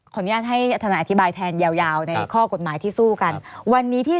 อนุญาตให้ทนายอธิบายแทนยาวยาวในข้อกฎหมายที่สู้กันวันนี้ที่